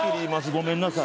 ごめんなさい。